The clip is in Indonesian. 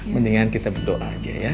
mendingan kita berdoa aja ya